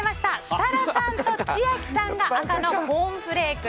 設楽さんと千秋さんが赤のコーンフレーク。